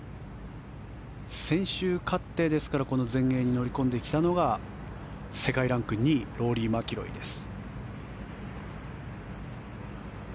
先週勝って、ですからこの全英に乗り込んできたのが世界ランク２位ローリー・マキロイです。